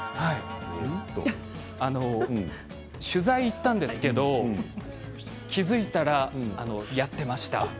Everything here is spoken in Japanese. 取材に行ったんですけど気付いたらやっていました。